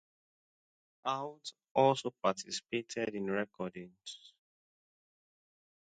Arlt also participated in recordings.